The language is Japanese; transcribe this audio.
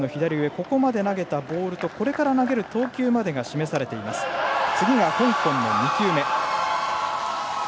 ここまで投げたボールとこれから投げる投球までが示されています。